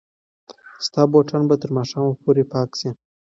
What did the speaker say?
ستا بوټان به تر ماښامه پورې پاک شي.